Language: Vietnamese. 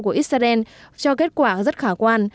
của israel cho kết quả rất khả quan